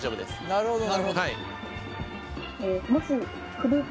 なるほど！